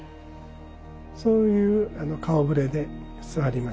そういう顔ぶれで座りまして。